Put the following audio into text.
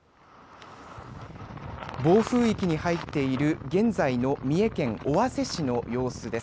暴風域に入っている現在の三重県尾鷲市の様子です。